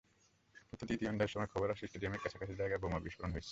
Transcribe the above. কিন্তু দ্বিতীয় ওয়ানডের সময় খবর আসে, স্টেডিয়ামের কাছাকাছি জায়গায় বোমা বিস্ফোরণ হয়েছে।